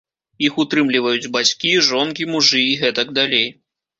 Іх утрымліваюць бацькі, жонкі, мужы і гэтак далей.